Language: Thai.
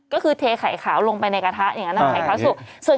ก็คือเทไข่ขาวลงไปในกระทะอย่างนั้นไข่ขาวสุก